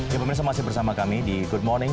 ya pemirsa masih bersama kami di good morning